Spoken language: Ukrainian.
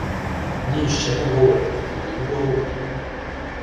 — Ні, ще не в гори. Ходімо до гурту.